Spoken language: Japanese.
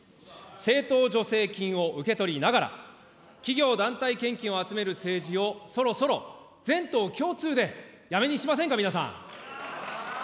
政党助成金を受け取りながら、企業団体献金を集める政治をそろそろ全党共通でやめにしませんか、皆さん。